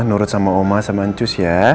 nurut sama oma sama cus ya